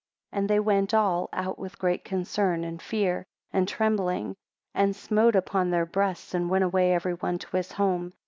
11 And they went all out with great concern, and fear, and trembling, and smote upon their breasts and went away every one to his home.